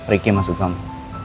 riki masuk kamp